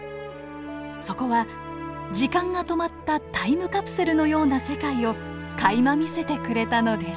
そこは時間が止まったタイムカプセルのような世界をかいま見せてくれたのです。